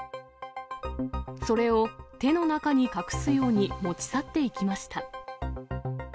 それを手の中に隠すように持ち去っていきました。